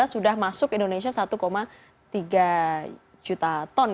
sudah masuk indonesia satu tiga juta ton